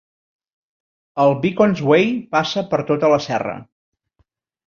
El Beacons Way passa per tota la serra.